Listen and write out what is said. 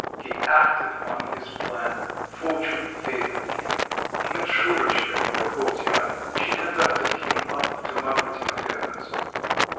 He acted on this plan; fortune favoured him; he met Shurotchka in the court yard; she conducted him up to Marfa Timofyevna's.